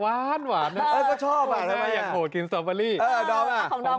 ว้าดหวานน่ะอยากโหดกินตรอบรีของหนอมดอมล่ะ